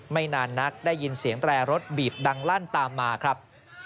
ไม่นานนักได้ยินเสียงแตรรถบีบดังลั่นตามมาครับ